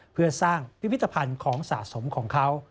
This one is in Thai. เพื่อสร้างพิพิธภัณฑ์ของสะสมของเขา